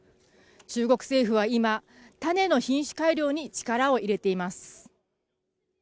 中国政府は今、タネの品種改良に力を入れています。